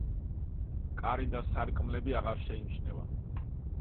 კარი და სარკმლები აღარ შეიმჩნევა.